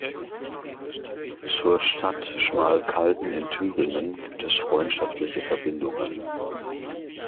Zur Stadt Schmalkalden in Thüringen gibt es freundschaftliche Verbindungen.